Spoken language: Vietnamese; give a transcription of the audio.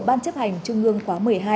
ban chấp hành trung ương khóa một mươi hai